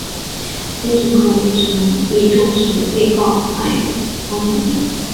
精神科医生亦证实被告患有妄想症。